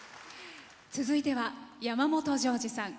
続いては山本譲二さん。